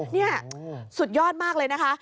นี่สุดยอดมากเลยนะคะ